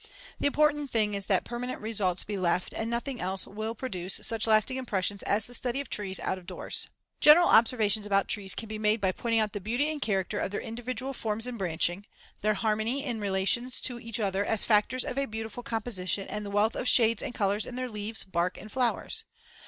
The important thing is that permanent results be left and nothing else will produce such lasting impressions as the study of trees out of doors. [Illustration: FIG. 153. Trees Have Individuality.] General observations about trees can be made by pointing out the beauty and character of the individual forms and branching, their harmony in their relations to each other as factors of a beautiful composition and the wealth of shades and colors in their leaves, bark and flowers.